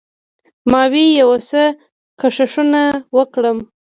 ما وې يو څه کښښونه به وکړم.